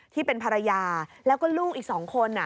ที่เป็นภรรยาแล้วก็ลูกอีก๒คน